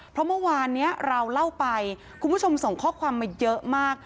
เพราะเมื่อวานนี้เราเล่าไปคุณผู้ชมส่งข้อความมาเยอะมาก